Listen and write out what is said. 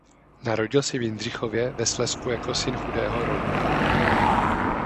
Narodil se v Jindřichově ve Slezsku jako syn chudého rolníka.